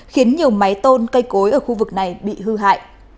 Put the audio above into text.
khiến nhiều mái tôn cây cối ở khu vực này bị hư hại